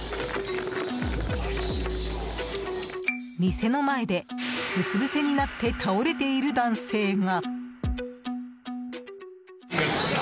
店の前で、うつぶせになって倒れている男性が。